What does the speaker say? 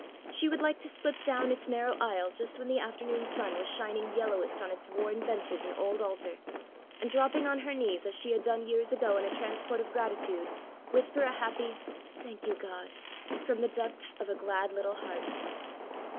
She would like to slip down its narrow aisle just when the afternoon sun was shining yellowest on its worn benches and old altar, and dropping on her knees as she had done years ago in a transport of gratitude, whisper a happy "Thank you, God" from the depths of a glad little heart.